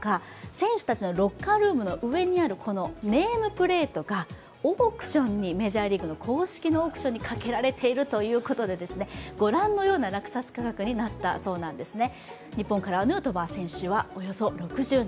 選手たちのロッカールームの上にあるネームプレートがメジャーリーグの公式のオークションにかけられていてご覧のような落札価格になったそうなんですね。